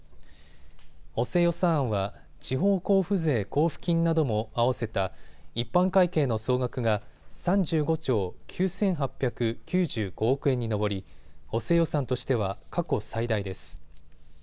補正予算案は地方交付税交付金なども合わせた一般会計の総額が３５兆９８９５億円に上り補正予算としては過去最大です。